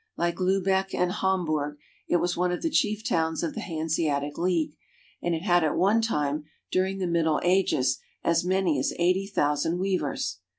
Like Lubeck and Hamburg, it was one of the chief towns of the Han seatic League, and it had at one time during the Middle Ages as many as eighty thousand weavers.